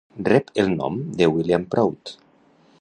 Rep el nom de William Prout.